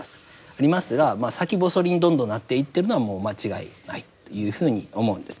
ありますがまあ先細りにどんどんなっていってるのはもう間違いないというふうに思うんですね。